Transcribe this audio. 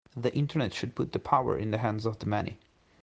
The Internet should put the power in the hands of the many.